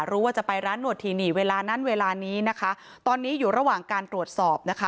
รู้ว่าจะไปร้านหวดที่นี่เวลานั้นเวลานี้นะคะตอนนี้อยู่ระหว่างการตรวจสอบนะคะ